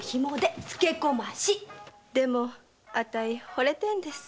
あたいほれてるんです。